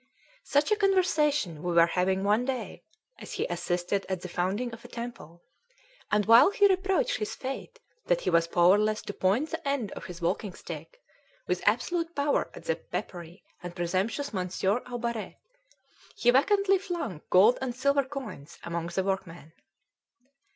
Such a conversation we were having one day as he "assisted" at the founding of a temple; and while he reproached his fate that he was powerless to "point the end of his walking stick" with absolute power at the peppery and presumptuous Monsieur Aubaret, he vacantly flung gold and silver coins among the work women.